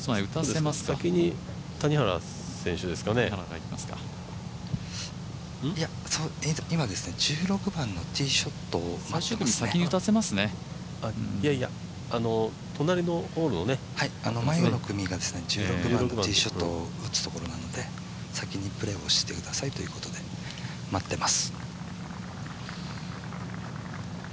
いや、今、１６番のティーショットを前の組が１６番のティーショットを打つところなので先にプレーをしてくださいということで待ってます。